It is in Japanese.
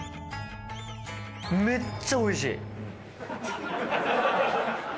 めっちゃおいしい！